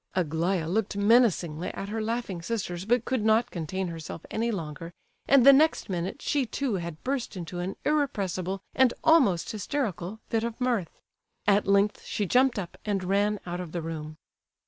Aglaya looked menacingly at her laughing sisters, but could not contain herself any longer, and the next minute she too had burst into an irrepressible, and almost hysterical, fit of mirth. At length she jumped up, and ran out of the room.